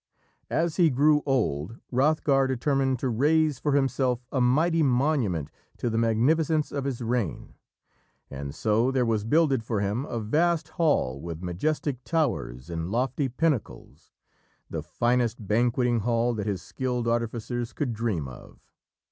As he grew old, Hrothgar determined to raise for himself a mighty monument to the magnificence of his reign, and so there was builded for him a vast hall with majestic towers and lofty pinnacles the finest banqueting hall that his skilled artificers could dream of.